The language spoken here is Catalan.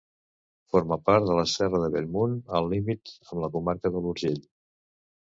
Forma part de la Serra de Bellmunt, al límit amb la comarca de l'Urgell.